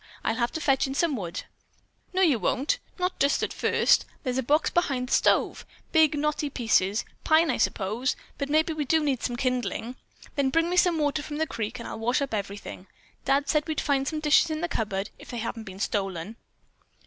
I'll have to fetch in some wood." "No, you won't! Not just at first. There's a box full behind the stove. Big, knotty pieces; pine, I suppose; but maybe we do need some kindling. Then bring me some water from the creek and I'll wash up everything. Dad said we'd find some dishes in the cupboard, if they hadn't been stolen."